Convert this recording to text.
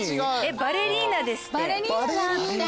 バレリーナですって。